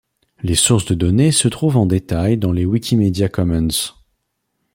Les sources de données se trouvent en détail dans les Wikimedia Commons.